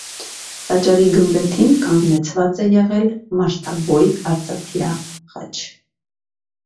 Տաճարի գմբեթին կանգնեցված է եղել մարդաբոյ արծաթյա խաչ։